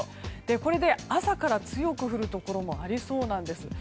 これで朝から強く降るところもありそうなんです。